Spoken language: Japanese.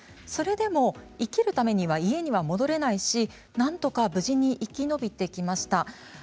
それでも、生きるためには家に戻れないしなんとか無事に生き延びてきました。